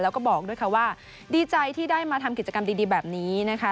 แล้วก็บอกด้วยค่ะว่าดีใจที่ได้มาทำกิจกรรมดีแบบนี้นะคะ